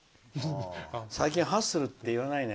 最近、ハッスルって言わないね。